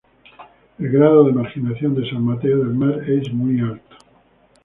El grado de marginación de San Mateo del Mar es Muy alto.